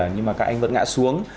nhưng mà các anh vẫn ngã xuống